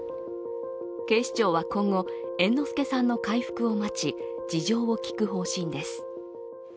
警視庁は今後、猿之助さんの回復を待ち、事情を聴く方針です。